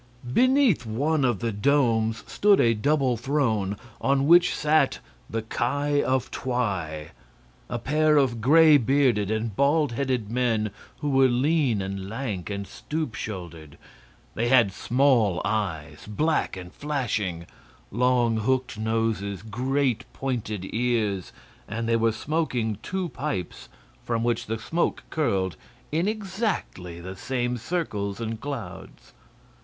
Beneath one of the domes stood a double throne, on which sat the Ki of Twi a pair of gray bearded and bald headed men who were lean and lank and stoop shouldered. They had small eyes, black and flashing, long hooked noses, great pointed ears, and they were smoking two pipes from which the smoke curled in exactly the same circles and clouds.